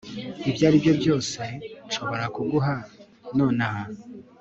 ibyo aribyo byose nshobora kuguha nonaha